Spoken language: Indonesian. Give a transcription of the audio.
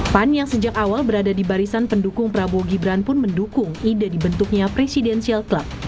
pan yang sejak awal berada di barisan pendukung prabowo gibran pun mendukung ide dibentuknya presidensial club